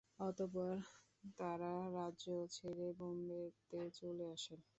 অতঃপর, তাঁরা রাজ্য ছেড়ে বোম্বে তে চলে আসেন।